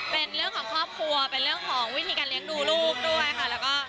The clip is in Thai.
เป็นเรื่องของครอบครัวเป็นเรื่องของวิธีการเลี้ยงดูลูกด้วยค่ะแล้วก็